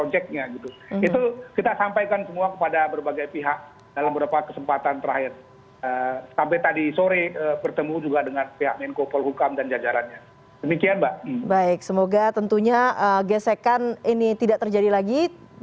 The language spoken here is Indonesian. cnn indonesia newscast akan segera kembali